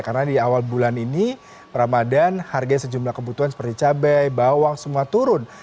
karena di awal bulan ini ramadan harga sejumlah kebutuhan seperti cabai bawang semua turun